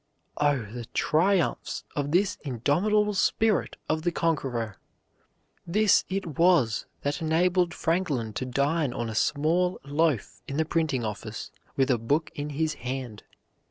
Oh, the triumphs of this indomitable spirit of the conqueror! This it was that enabled Franklin to dine on a small loaf in the printing office with a book in his hand.